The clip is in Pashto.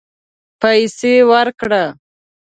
پیسې ورکړه